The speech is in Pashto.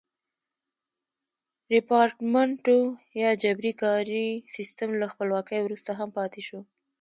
ریپارټمنټو یا جبري کاري سیستم له خپلواکۍ وروسته هم پاتې شو.